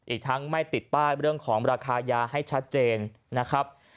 อีกทั้งไม่ติดป้ายเรื่องของราคายาให้ชัดเจนนะครับ